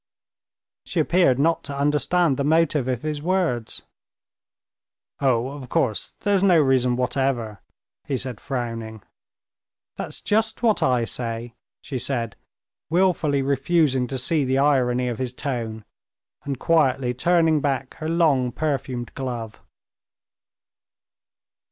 She appeared not to understand the motive of his words. "Oh, of course, there's no reason whatever," he said, frowning. "That's just what I say," she said, willfully refusing to see the irony of his tone, and quietly turning back her long, perfumed glove.